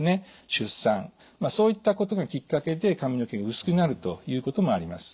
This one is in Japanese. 出産そういったことがきっかけで髪の毛が薄くなるということもあります。